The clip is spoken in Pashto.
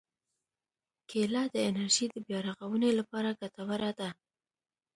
کېله د انرژي د بیا رغونې لپاره ګټوره ده.